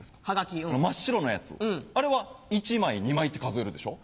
真っ白のやつあれは１枚２枚って数えるでしょ？